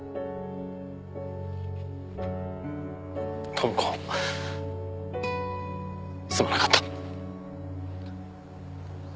朋子すまなかった。